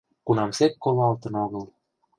Кунамсек колалтын огыл...